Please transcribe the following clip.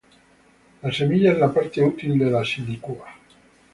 La semilla es la parte útil de la silicua.